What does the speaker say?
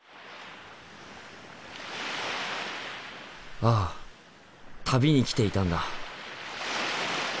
ああ旅に来ていたんだ。